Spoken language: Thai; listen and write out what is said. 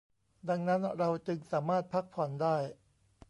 ดังนั้นเราจึงสามารถพักผ่อนได้